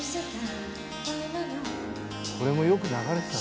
これもよく流れてた。